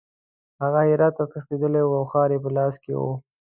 هغه هرات ته تښتېدلی وو او ښار یې په لاس کې وو.